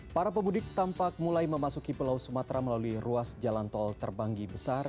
para pemudik tampak mulai memasuki pulau sumatera melalui ruas jalan tol terbanggi besar